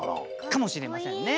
かもしれませんね。